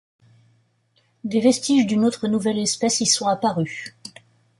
Des vestiges d’une autre nouvelle espèce y sont apparus.